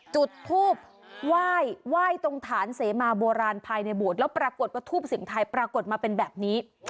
จุดทูบไหว้ไหว้ตรงฐานเสมาโบราณภายในโบสถ์แล้วปรากฏว่าทูบเสียงไทยปรากฏมาเป็นแบบนี้